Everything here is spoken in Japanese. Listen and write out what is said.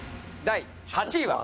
第８位は。